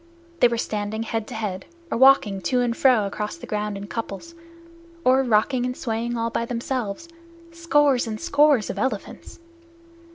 They were standing head to head, or walking to and fro across the ground in couples, or rocking and swaying all by themselves scores and scores of elephants.